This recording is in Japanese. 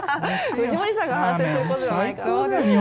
藤森さんが反省することでは。